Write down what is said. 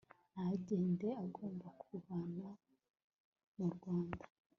ntagende agomba kuvanwa mu rwanda